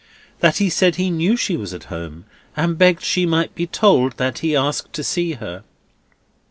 That he said he knew she was at home, and begged she might be told that he asked to see her.